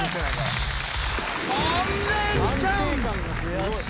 よし！